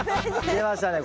出ましたね